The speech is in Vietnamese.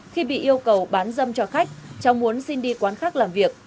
khi bị yêu cầu bán dâm cho khách cháu muốn xin đi quán khác làm việc